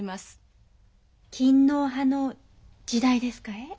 勤皇派の時代ですかえ？